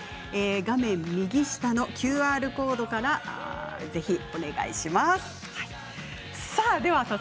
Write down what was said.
画面右下のＱＲコードからぜひお願いします。